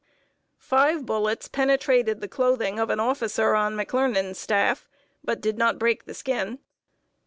Five bullets penetrated the clothing of an officer on McClernand's staff, but did not break the skin.